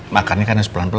makannya kan harus pelan pelan